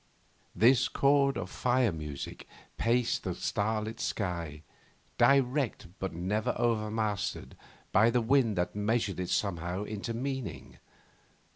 This chord of fire music paced the starlit sky, directed, but never overmastered, by the wind that measured it somehow into meaning.